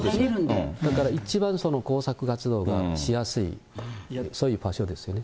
だから一番工作活動がしやすい、そういう場所ですよね。